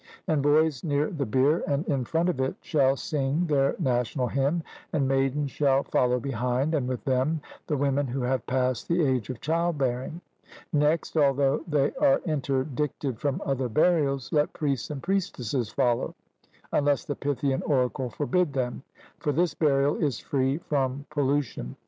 And boys near the bier and in front of it shall sing their national hymn, and maidens shall follow behind, and with them the women who have passed the age of child bearing; next, although they are interdicted from other burials, let priests and priestesses follow, unless the Pythian oracle forbid them; for this burial is free from pollution.